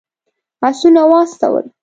آسونه واستول.